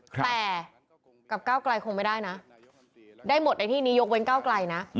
แต่กับก้าวไกลคงไม่ได้นะได้หมดในที่นี้ยกเว้นก้าวไกลนะ